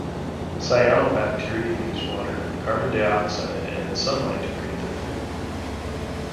Cyanobacteria use water, carbon dioxide, and sunlight to create their food.